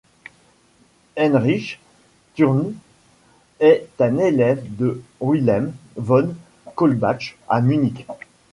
Heinrich Thurnes est un élève de Wilhelm von Kaulbach à Munich.